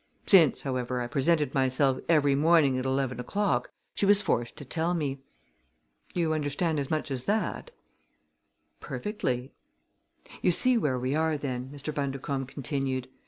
Since, however, I presented myself every morning at eleven o'clock she was forced to tell me. You understand as much as that?" "Perfectly." "You see where we are then," Mr. Bundercombe continued.